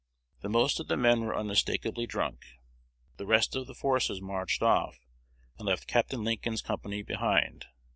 The most of the men were unmistakably drunk. The rest of the forces marched off, and left Capt. Lincoln's company behind.